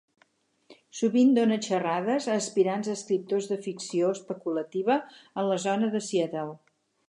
Sovint dona xerrades a aspirants a escriptors de ficció especulativa en la zona de Seattle.